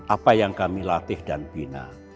apa yang kami latih dan bina